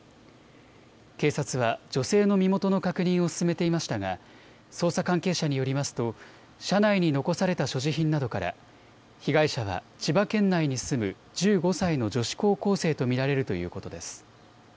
警察は女性の身元の確認を進めていましたが捜査関係者によりますと車内に残された所持品などから被害者は千葉県内に住む１５歳の女子高校生と見られるということです。